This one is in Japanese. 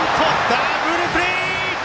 ダブルプレー！